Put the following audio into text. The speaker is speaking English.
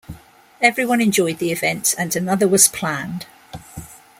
Everyone enjoyed the event, and another was planned.